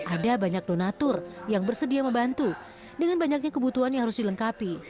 ada banyak donatur yang bersedia membantu dengan banyaknya kebutuhan yang harus dilengkapi